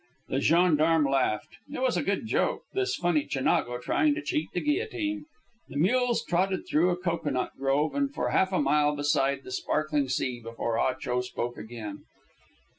The gendarme laughed. It was a good joke, this funny Chinago trying to cheat the guillotine. The mules trotted through a coconut grove and for half a mile beside the sparkling sea before Ah Cho spoke again.